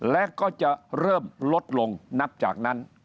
และก็จะเริ่มลดลงนับจากนั้น